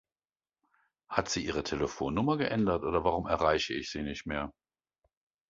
Hat sie ihre Telefonnummer geändert oder warum erreiche ich sie nicht mehr?